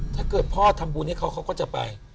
ถ้าเกิดพ่อทำบุญให้เขาเขาก็จะไป